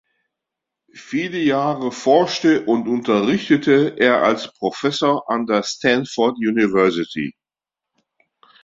Viele Jahre forschte und unterrichtete er als Professor an der Stanford University.